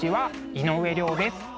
井上涼です。